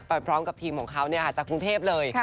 ไปพร้อมกับทีมของเขาเนี่ยค่ะจากกรุงเทพฯเลย